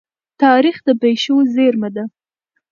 تاریخ د پېښو زيرمه ده.